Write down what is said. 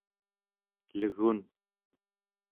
legun